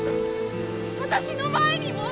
私の前にも！